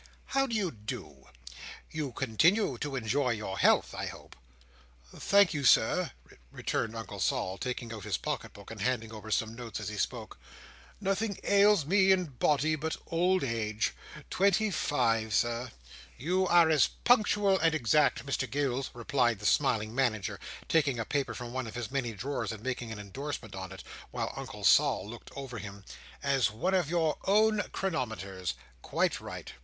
How do you do? You continue to enjoy your health, I hope?" "Thank you, Sir," returned Uncle Sol, taking out his pocket book, and handing over some notes as he spoke. "Nothing ails me in body but old age. Twenty five, Sir." "You are as punctual and exact, Mr Gills," replied the smiling Manager, taking a paper from one of his many drawers, and making an endorsement on it, while Uncle Sol looked over him, "as one of your own chronometers. Quite right."